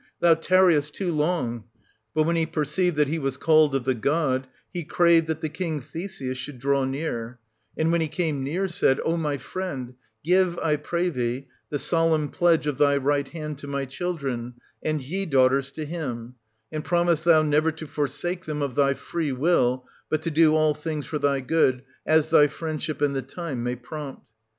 Thou tarriest too long' But when he perceived that he was called of the 1630 god, he craved that the king Theseus should draw near ; and when he came near, said :' O my friend, ^vsi^^ I pray thee, the solemn pledge of thy right hand to my children, and ye, daughters, to him; and promise thou never to forsake them of thy free will, bi«l to do all things for their good, as thy friendship and the time may prompt.'